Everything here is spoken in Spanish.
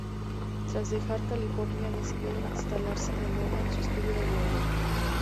Tras dejar California, decidió instalarse de nuevo en su estudio de Nueva York.